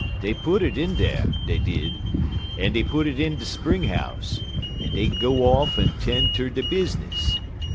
Dey put it in dar, dey did, en dey put it in de spring house, en dey'd go off en 'ten' ter dey business.